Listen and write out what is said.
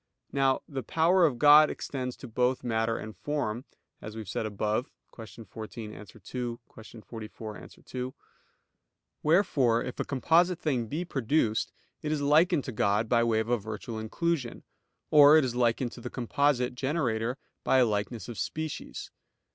Now the power of God extends to both matter and form; as we have said above (Q. 14, A. 2; Q. 44, A. 2); wherefore if a composite thing be produced, it is likened to God by way of a virtual inclusion; or it is likened to the composite generator by a likeness of species.